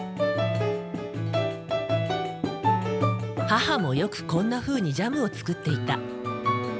母もよくこんなふうにジャムを作っていた。